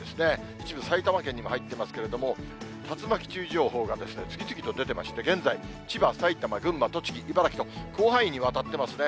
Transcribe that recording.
一部埼玉県にも入ってますけれども、竜巻注意情報が次々と出てまして、現在、千葉、埼玉、群馬、栃木、茨城と、広範囲にわたってますね。